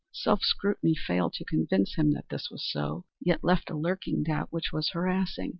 Self scrutiny failed to convince him that this was so, yet left a lurking doubt which was harassing.